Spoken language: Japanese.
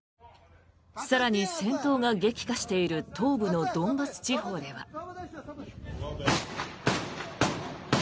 更に戦闘が激化している東部のドンバス地方では。